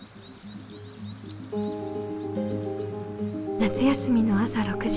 夏休みの朝６時。